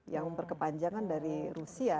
yang berkepanjangan dari rusia